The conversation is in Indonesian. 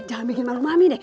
jangan bikin malu mami deh